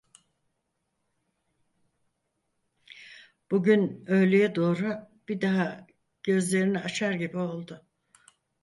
Bugün öğleye doğru bir daha gözlerini açar gibi oldu.